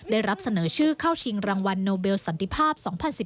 ได้รับเสนอชื่อเข้าชิงรางวัลโนเบลสันติภาพ๒๐๑๙